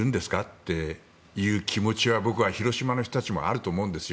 っていう気持ちは僕は広島の人たちもあると思うんです。